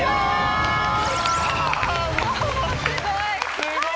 すごい！